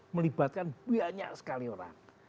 melibatkan banyak sekali orang